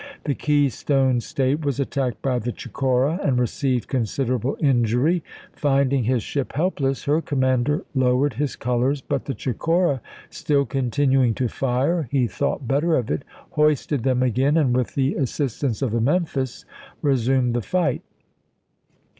The Keystone State was attacked by the CMcora, and received considerable injury; finding his ship helpless, her commander lowered his colors, but the CMcora still continuing to fire, he thought better of it, hoisted them again, and, with the as sistance of the Memphis, resumed the fight.